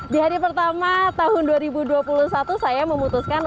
di hari pertama tahun dua ribu dua puluh satu saya memutuskan